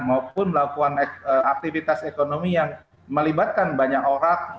maupun melakukan aktivitas ekonomi yang melibatkan banyak orang